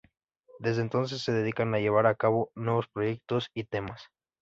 Desde entonces se dedican a llevar a cabo nuevos proyectos y temas.